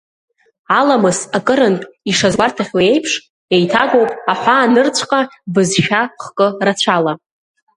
Аламыс, акырынтә ишазгәарҭахьоу еиԥш, еиҭагоуп аҳәаанырцәҟа, бызшәа хкы рацәала.